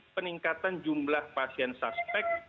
peningkatan jumlah pasien suspek